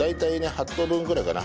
８等分くらいかな。